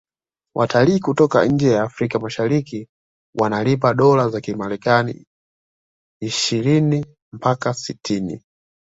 watalii kutoka nje ya afrika mashariki wanalipa dola za kimarekani ishini mpaka sitini